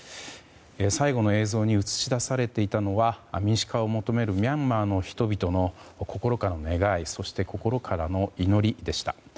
最後の映像に映し出されていたのは民主化を求めるミャンマーの人々の心からの願いそして、心からの祈りでした。